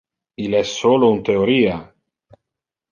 Il es solo un theoria.